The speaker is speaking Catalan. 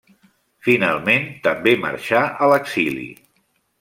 Finalment, també marxà a l'exili.